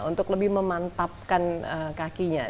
untuk lebih memantapkan kakinya